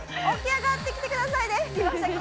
起き上がってきてくださいね。